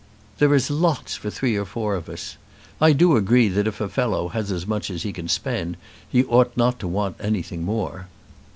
"There is lots for three or four of us. I do agree that if a fellow has as much as he can spend he ought not to want anything more.